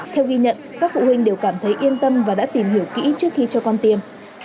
theo ghi nhận các phụ huynh đều cảm thấy yên tâm và đã tìm hiểu kỹ trước khi cho con tiêm